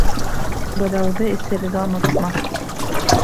Быҙауҙы эсерергә онотма.